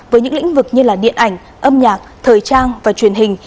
với những lĩnh vực như điện ảnh âm nhạc thời trang và truyền hình